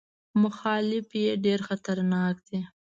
مخالفت یې ډېر خطرناک دی.